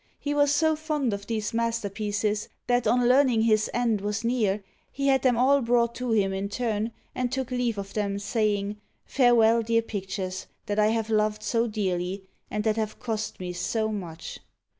He was so fond of these masterpieces that, on learning his end was near, he had them all brought to him in turn, and took leave of them, saying, " Farewell, dear pictures that I have loved so dearly and that have cost me so much